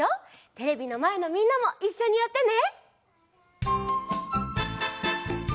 テレビのまえのみんなもいっしょにやってね！